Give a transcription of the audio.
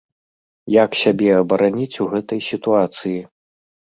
Як сябе абараніць ў гэтай сітуацыі?